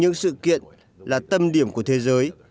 những sự kiện là tâm điểm của thế giới